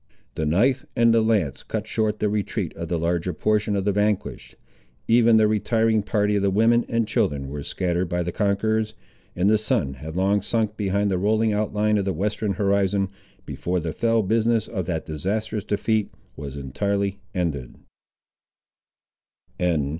The knife and the lance cut short the retreat of the larger portion of the vanquished. Even the retiring party of the women and children were scattered by the conquerors; and the sun had long sunk behind the rolling outline of the western horizon, before the fell business of that disastrous defeat was entirely ended.